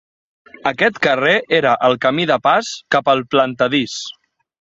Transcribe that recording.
Aquest carrer era el camí de pas cap al Plantadís.